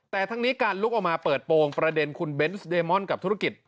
แต่ทั้งนี้การลุกออกมาเปิดโปรงประเด็นคุณเบนส์เดมอนกับธุรกิจ